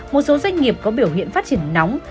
một số doanh nghiệp có biểu hiện phát triển nóng